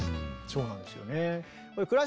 そうなんですよね。